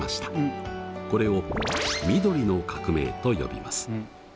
これを緑の革命と呼びます。